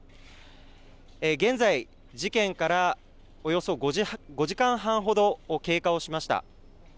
現在、事件からおよそ５時間半ほど経過をしました。